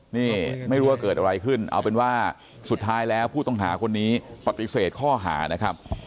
นี่ไม่รู้ว่าเกิดอะไรขึ้นเอาเป็นว่าสุดท้ายแล้วผู้ต้องหาคนนี้ปฏิเสธข้อหานะครับ